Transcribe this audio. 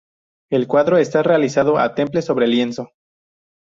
El cuadro está realizado al temple sobre lienzo.